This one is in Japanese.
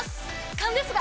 勘ですが！